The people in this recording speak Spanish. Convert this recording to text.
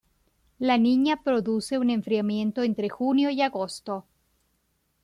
La Niña produce un enfriamiento entre junio y agosto.